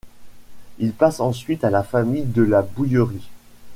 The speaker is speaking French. Il passe ensuite à la famille de La Bouillerie.